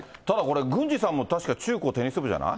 郡司さんも例えば、中高、テニス部じゃない？